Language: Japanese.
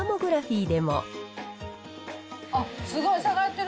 あっ、すごい、下がってる。